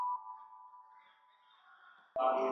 ولي د بریا په لاره کي د نورو ملاتړ او هڅونه اړینه ده؟